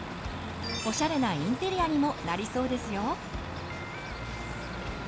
おしゃれなインテリアにもなりそうですよ。